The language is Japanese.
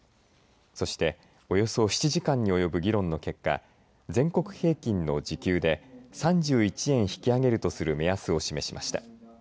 そして、およそ７時間に及ぶ議論の結果全国平均の時給で３１円引き上げるとする目安を示しました。